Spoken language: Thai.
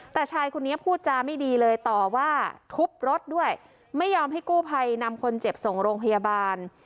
แต่ชายคนนี้พูดจาไม่ดีเลยต่อว่าทุบรถด้วยไม่ยอมให้กู้ภัยนำคนเจ็บส่งโรงพยาบาล